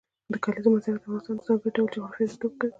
د کلیزو منظره د افغانستان د ځانګړي ډول جغرافیه استازیتوب کوي.